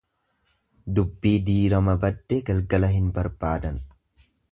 Dubbii diirama badde, galgala hin barbaadan.